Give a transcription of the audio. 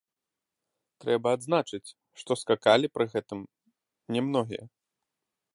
Трэба адзначыць, што скакалі пры гэтым не многія.